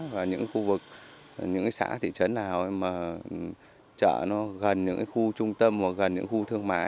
và những khu vực những cái xã thị trấn nào mà chợ nó gần những khu trung tâm hoặc gần những khu thương mại